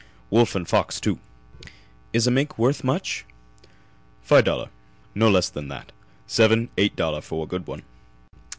Wolf and fox, too." "Is a mink worth much?" "Fi' dollar no less that. Seven eight dollar for good one."